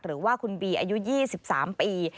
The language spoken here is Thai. หรือว่าคุณบีอายุ๒๓ปี